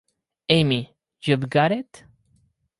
Amy, you've got it?